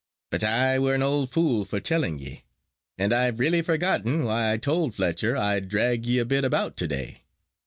But I were an old fool for telling ye. And I've really forgotten why I told Fletcher I'd drag ye a bit about to day.